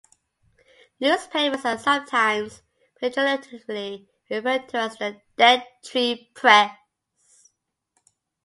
Newspapers are, sometimes pejoratively, referred to as "the dead-tree-press".